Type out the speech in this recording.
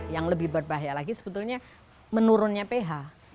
yang lebih berbahaya lagi sebetulnya menurunnya ph